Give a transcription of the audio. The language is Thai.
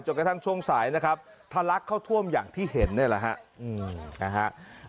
กระทั่งช่วงสายนะครับทะลักเข้าท่วมอย่างที่เห็นนี่แหละฮะนะฮะ